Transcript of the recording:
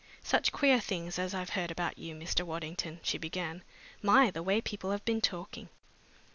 "Such queer things as I've heard about you, Mr. Waddington," she began. "My! the way people have been talking!"